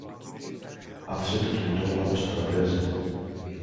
Άφησε το κινητό πάνω στο τραπέζι